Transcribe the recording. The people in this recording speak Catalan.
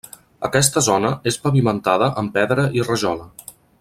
Aquesta zona és pavimentada amb pedra i rajola.